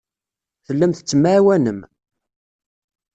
Tellam tettemɛawanem.